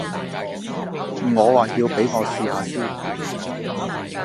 我話要畀我試吓先。